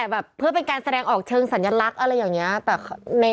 แบบเพื่อเป็นการแสดงออกเชิงสัญลักษณ์อะไรอย่างนี้